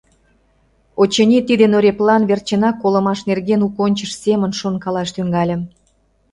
Очыни, тиде нӧреплан верчынак колымаш нерген у кончыш семын шонкалаш тӱҥальым.